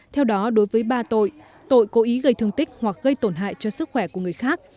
theo đó đối với ba tội tội cố ý gây thương tích hoặc gây tổn hại cho sức khỏe của người khác